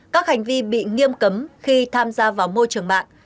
các hành vi bị nghiêm cấm khi tham gia vào môi trường mạng